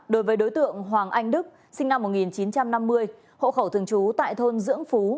đối với đối tượng hoàng anh đức sinh năm một nghìn chín trăm năm mươi hộ khẩu thường trú tại thôn dưỡng phú